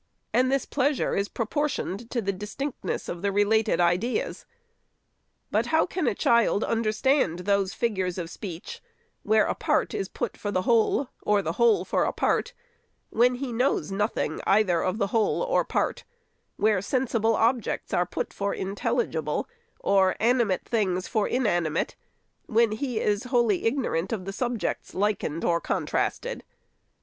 And this pleasure is proportioned to the distinctness of the related ideas. But how can a child understand those figures of speech, where a part is put for the whole, or the whole for a part, when he knows 538 THE SECRETARY'S nothing either of whole or part; — where sensible objects are put for intelligible, or animate things for inanimate, when he is wholly ignorant of the subjects likened or contrasted